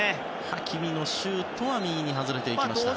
ハキミのシュートは右に外れていきました。